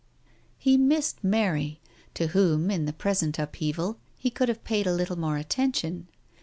... He missed Mary, to whom, in the present upheaval, he could have paid a little more attention.